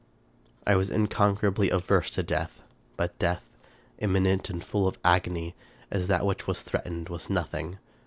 I was unconquerably averse to death ; but death, imminent and full of agony as that which was threatened, was nothing.